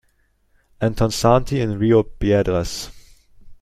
Antonsanti in Rio Piedras.